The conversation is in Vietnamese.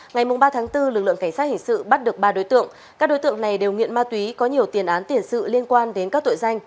ngày ba bốn lực lượng cảnh sát hình sự bắt được ba đối tượng các đối tượng này đều nghiện ma túy có nhiều tiền án tiền sự liên quan đến các tội danh